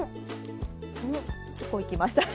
結構いきましたね。